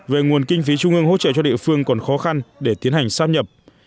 về nguồn kinh phí trung ương hỗ trợ cho địa phương còn khó khăn để tiến hành sắp nhập